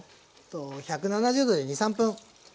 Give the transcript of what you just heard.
１７０℃で２３分。